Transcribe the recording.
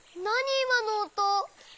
いまのおと。